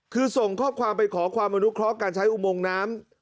คือส่งข้อความไปขอความอนุเคราะห์การใช้อุโมงน้ำ